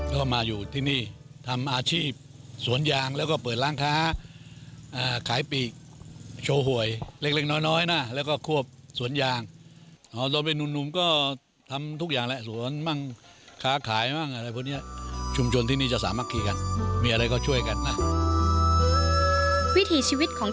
วิธีชีวิตของชาวชุมชนบ้านมี